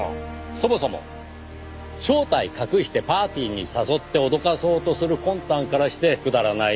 そもそも正体を隠してパーティーに誘って脅かそうとする魂胆からしてくだらないですがねぇ。